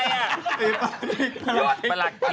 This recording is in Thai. หยุดหยุดหยุด